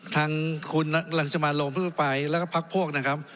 ทางคุณหลังจิมารโรงพฤษภายและภักดิ์พวกนะครับ